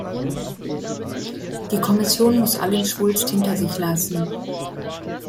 Die Kommission muss allen Schwulst hinter sich lassen.